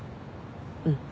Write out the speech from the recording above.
うん。